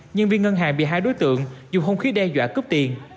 nhân viên ngân hàng bị hai đối tượng dùng hung khí đe dọa cướp tiền